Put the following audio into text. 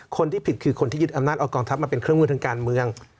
คนที่ผิดคือคนที่ยึดอำนาจเอากองทัพมาเป็นเครื่องมือทางการเมือง